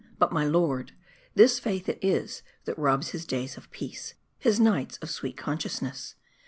But my lord, this faith it is, that rohs his days of peace ; his nights of sweet uncon sciousness.